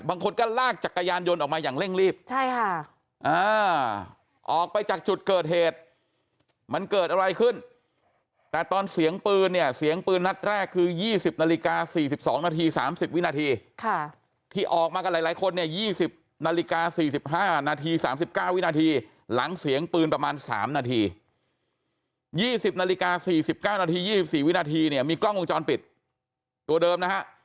บางคนก็ลากจักรยานยนต์ออกมาอย่างเร่งรีบ